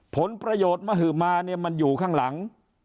ผลประโยชน์มหมาเนี่ยมันอยู่ข้างหลัง